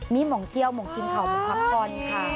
มีมองเที่ยวมองกินเผ่ามองพักป่อนค่ะ